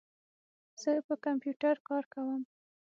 زه په کمپیوټر کار کوم.